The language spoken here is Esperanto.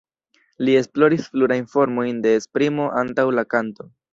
Li esploris plurajn formojn de esprimo antaŭ la kanto.